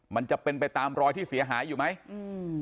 มันจะเป็นไปตามรอยที่เสียหายอยู่ไหมอืม